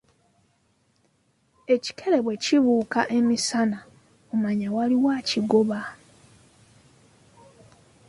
"Ekikere bwe kibuuka emisana, omanya waliwo akigoba."